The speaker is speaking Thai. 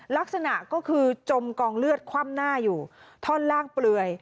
ลักษณะก็คือจมกองเลือดคว่ำหน้าอยู่ท่อนล่างเปลือย